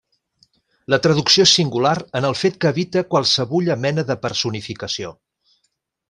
La traducció és singular en el fet que evita qualsevulla mena de personificació.